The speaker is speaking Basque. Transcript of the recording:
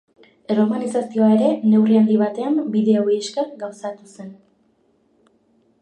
Erromanizazioa ere neurri handi batean bide hauei esker gauzatu zen.